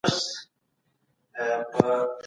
څېړنه ښيي چې لنډ مهال حرکت کافي دی.